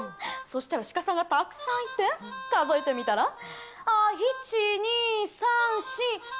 そうしたらシカさんがたくさんいて、数えてみたら、１、２、３、４、５。